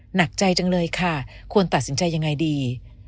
หนักใจจังเลยค่ะควรตัดสินใจยังไงดี